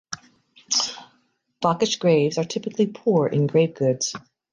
Vakhsh graves are typically poor in grave goods.